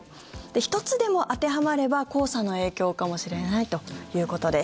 １つでも当てはまれば黄砂の影響かもしれないということです。